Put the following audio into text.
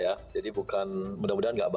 saya sudah lama di sepak bola